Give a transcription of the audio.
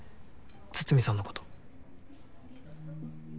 筒見さんのこと。